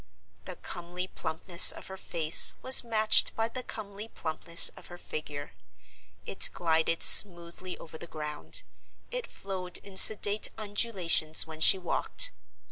The comely plumpness of her face was matched by the comely plumpness of her figure; it glided smoothly over the ground; it flowed in sedate undulations when she walked.